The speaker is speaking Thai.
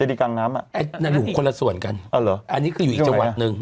อันนั้นน่ะเป็นอีกคนละส่วนกันอันนี้คืออยู่อีกจวัตรนึง